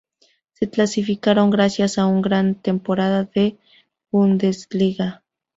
Se clasificaron gracias a una gran temporada en la Bundesliga.